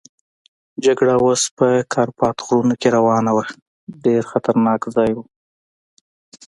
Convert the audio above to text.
جګړه اوس په کارپات غرونو کې روانه وه، ډېر خطرناک ځای وو.